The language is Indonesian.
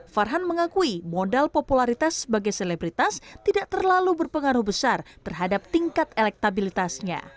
farhan mengakui modal popularitas sebagai selebritas tidak terlalu berpengaruh besar terhadap tingkat elektabilitasnya